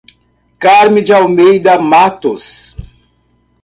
Carmem de Almeida Matos